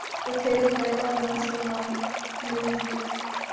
اک کھیل ہے اورنگ سلیماں مرے نزدیک